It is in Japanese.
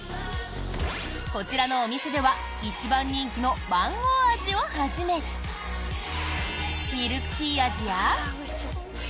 こちらのお店では一番人気のマンゴー味をはじめミルクティー味や。